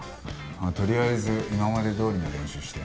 とりあえず今までどおりの練習して。